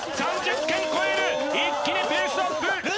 ３０件超える一気にペースアップ